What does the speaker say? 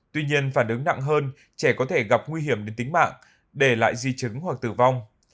tuy nhiên phản ứng nặng hơn trẻ có thể gặp nguy hiểm đến tính mạng để lại di chứng hoặc tử vong